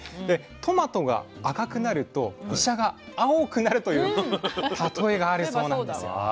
でトマトが赤くなると医者が青くなるという例えがあるそうなんですよ。